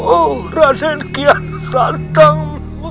oh raden kian santang